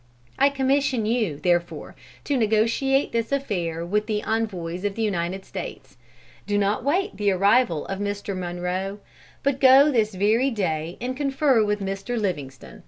I commission you, therefore, to negotiate this affair with the envoys of the United States. Do not wait the arrival of Mr. Munroe, but go this very day and confer with Mr. Livingston.